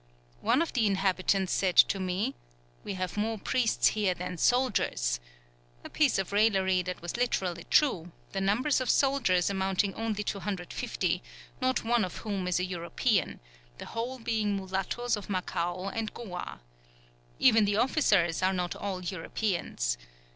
One of the inhabitants said to me, 'We have more priests here than soldiers;' a piece of raillery that was literally true, the number of soldiers amounting only to 150, not one of whom is a European, the whole being mulattos of Macao and Goa. Even the officers are not all Europeans.